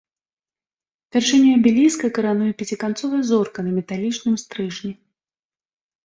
Вяршыню абеліска карануе пяціканцовая зорка на металічным стрыжні.